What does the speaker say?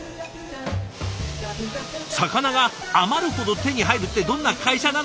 魚が余るほど手に入るってどんな会社なのか？